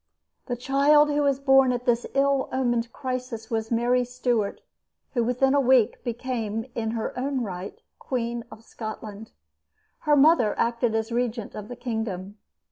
The child who was born at this ill omened crisis was Mary Stuart, who within a week became, in her own right, Queen of Scotland. Her mother acted as regent of the kingdom.